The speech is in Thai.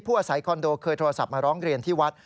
อาศัยคอนโดเคยโทรศัพท์มาร้องเรียนที่วัด